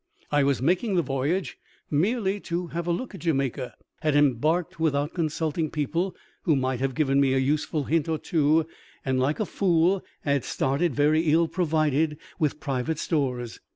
I was making the voyage merely to have a look at Jamaica ; had embarked without consulting people who might have given me a useful hint or two ; and, like a fool, had started very ill provided with private stores.